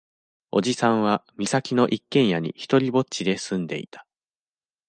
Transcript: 叔父さんは、岬の一軒家に独りぼっちで住んでいた。